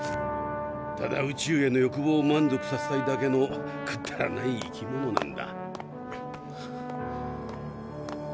ただ宇宙への欲望を満足させたいだけのくだらない生き物なんだ。